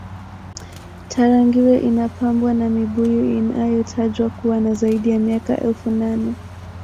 tarangire inapambwa na mibuyu inayotajwa kuwa na zaidi ya miaka elfu nane